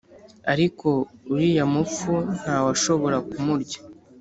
, ariko uriya mupfu ntawashobora kumurya